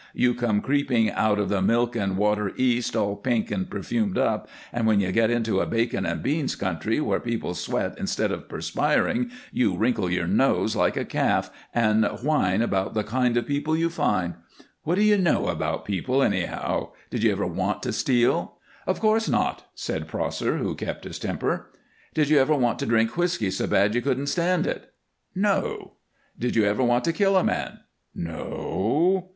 You come creeping out of the milk and water East, all pink and perfumed up, and when you get into a bacon and beans country where people sweat instead of perspiring you wrinkle your nose like a calf and whine about the kind of people you find. What do you know about people, anyhow? Did you ever want to steal?" "Of course not," said Prosser, who kept his temper. "Did you ever want to drink whisky so bad you couldn't stand it?" "No." "Did you ever want to kill a man?" "No."